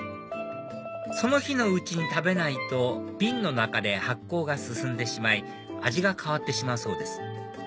その日のうちに食べないと瓶の中で発酵が進んでしまい味が変わってしまうそうです